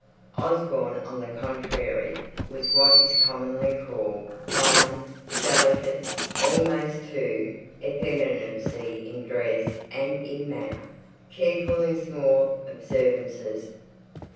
Osborne, on the contrary, was what is commonly called "fine;" delicate almost to effeminacy in dress and in manner; careful in small observances.